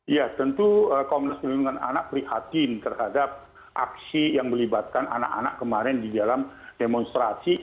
ya tentu komnas perlindungan anak prihatin terhadap aksi yang melibatkan anak anak kemarin di dalam demonstrasi